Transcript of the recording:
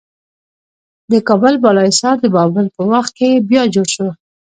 د کابل بالا حصار د بابر په وخت کې بیا جوړ شو